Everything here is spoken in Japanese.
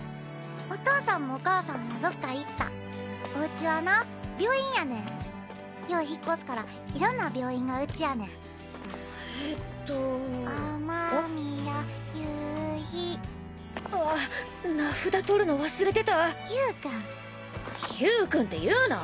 お父さんもお母さんもどっか行ったおうちはな病院やねんよう引っ越すからいろんな病院がうちえっと「あまみやゆうひ」あっ名札取るの忘れてたゆーくゆーくんって言うな。